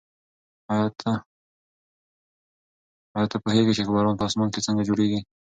ایا ته پوهېږې چې باران په اسمان کې څنګه جوړېږي؟